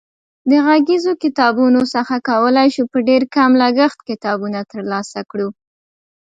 د غږیزو کتابتونونو څخه کولای شو په ډېر کم لګښت کتابونه ترلاسه کړو.